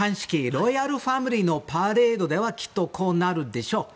ロイヤルファミリーのパレードではきっとこうなるでしょう。